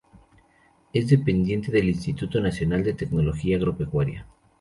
Es dependiente del Instituto Nacional de Tecnología Agropecuaria.